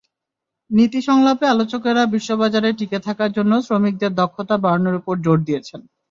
নীতি সংলাপে আলোচকেরা বিশ্ববাজারে টিকে থাকার জন্য শ্রমিকদের দক্ষতা বাড়ানোর ওপর জোর দিয়েছেন।